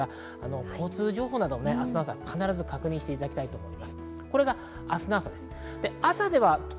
交通情報などを明日の朝確認していただきたいと思います。